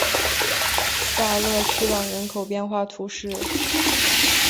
萨勒屈朗人口变化图示